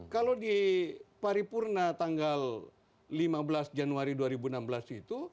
kalau di paripurna tanggal lima belas januari dua ribu enam belas itu